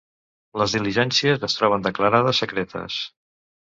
Les diligències es troben declarades secretes.